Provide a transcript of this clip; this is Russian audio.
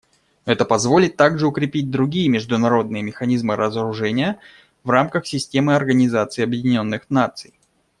Это позволит также укрепить другие международные механизмы разоружения в рамках системы Организации Объединенных Наций.